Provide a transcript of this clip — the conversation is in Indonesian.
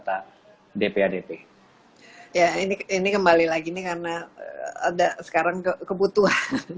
ya ini kembali lagi ini karena ada sekarang kebutuhan